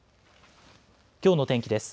きょうの天気です。